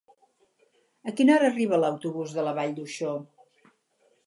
A quina hora arriba l'autobús de la Vall d'Uixó?